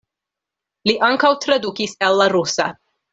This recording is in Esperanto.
Li ankaŭ tradukis el la rusa.